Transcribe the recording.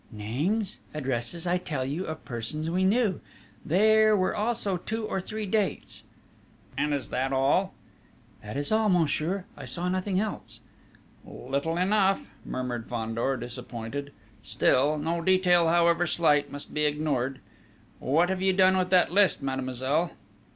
"Names, addresses, I tell you, of persons we knew. There were also two or three dates...." "And is that all?" "That is all, monsieur: I saw nothing else!" "Little enough," murmured Fandor, disappointed. "Still no detail, however slight, must be ignored!... What have you done with that list, mademoiselle?"